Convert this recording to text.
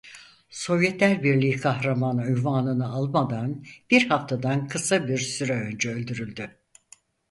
Sovyetler Birliği Kahramanı unvanını almadan bir haftadan kısa bir süre önce öldürüldü.